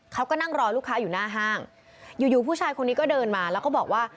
เขาก็นั่งรอลูกค้าอยู่หน้าห้างอยู่อยู่ผู้ชายคนนี้ก็เดินมาแล้วก็บอกว่า